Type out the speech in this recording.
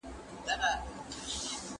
¬ لاس، لاس پېژني.